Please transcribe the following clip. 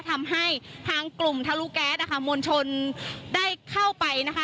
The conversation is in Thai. ทำให้ทางกลุ่มทะลุแก๊สนะคะมวลชนได้เข้าไปนะคะ